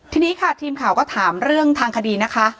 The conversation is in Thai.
ทีนี้ค่ะทีมข่าวก็ถามเรื่องทางคดีนะคะ